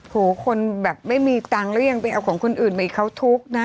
โหคนแบบไม่มีตังค์แล้วยังไปเอาของคนอื่นมาอีกเขาทุกข์นะ